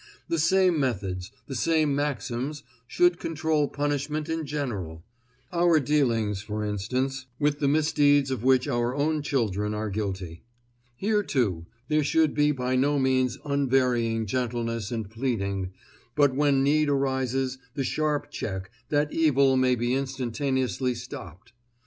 The same methods, the same maxims should control punishment in general; our dealings, for instance, with the misdeeds of which our own children are guilty. Here, too, there should be by no means unvarying gentleness and pleading, but when need arises the sharp check, that evil may be instantaneously stopped.